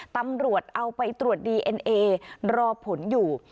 ตำรวจเอาไปตรวจดีเอ็นเอรอผลอยู่